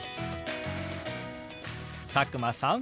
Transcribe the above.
佐久間さん